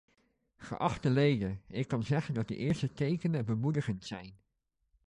Geachte leden, ik kan zeggen dat de eerste tekenen bemoedigend zijn.